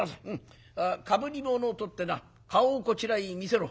かぶり物を取ってな顔をこちらに見せろ。